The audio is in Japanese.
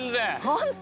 本当？